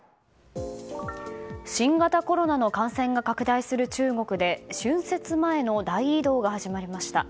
新型コロナの感染が拡大する中国で春節前の大移動が始まりました。